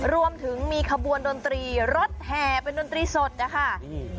รวมถึงมีขบวนดนตรีรถแห่เป็นดนตรีสดนะคะอืม